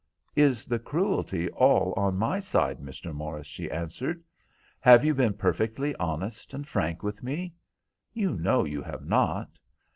"Is the cruelty all on my side, Mr. Morris?" she answered. "Have you been perfectly honest and frank with me? You know you have not.